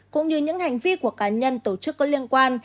cũng như những hành vi của cá nhân tổ chức có liên quan